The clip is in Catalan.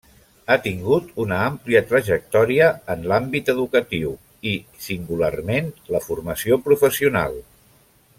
Ha tingut una àmplia trajectòria en l'àmbit educatiu i, singularment, la Formació Professional.